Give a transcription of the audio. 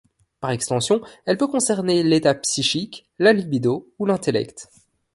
Par extension, elle peut concerner l'état psychique, la libido ou l'intellect.